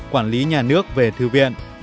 quản lý nhà nước về thư viện